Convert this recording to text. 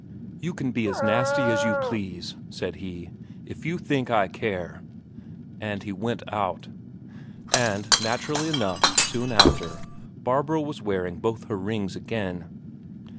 "You can be as nasty as you please," said he. "If you think I care...." And he went out. And naturally enough, soon after, Barbro was wearing both her rings again.